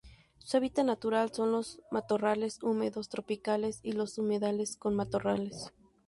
Su hábitat natural son los matorrales húmedos tropicales y los humedales con matorrales.